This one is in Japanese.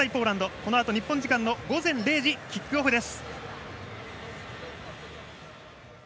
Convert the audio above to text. このあと日本時間午前０時キックオフです。